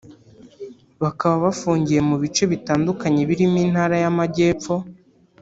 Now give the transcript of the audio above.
bakaba bafungiye mu bice bitandukanye birimo Intara y’Amagepfo